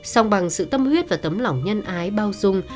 xong bằng sự tâm huyết và tấm lỏng nhân ái bao dung